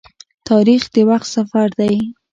تاریخ د وخت سفر دی.